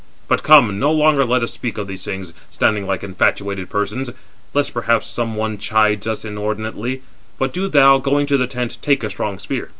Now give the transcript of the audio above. But come, no longer let us speak of these things, standing like infatuated persons, lest perhaps some one chide us inordinately; but do thou, going to the tent, take a strong spear."